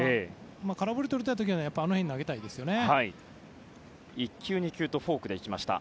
空振りを取りたい時はあの辺に投げたいですよね。